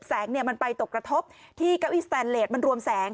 แสงมันไปตกกระทบที่เก้าอี้สแตนเลสมันรวมแสง